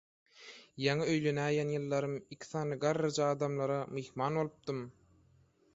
Ýaňy öýlenäýen ýyllarym iki sany garryja adamlara myhman bolupdym.